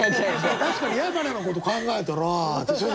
「確かに矢花のこと考えたら」って。